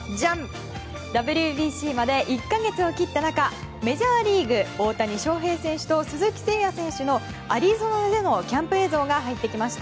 ＷＢＣまで１か月を切った中メジャーリーグ大谷翔平選手と鈴木誠也選手のアリゾナでのキャンプ映像が入ってきました。